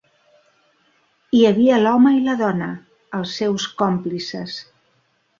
Hi havia l'home i la dona, els seus còmplices.